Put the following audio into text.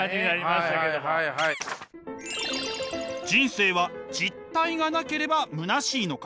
人生は実体がなければ虚しいのか。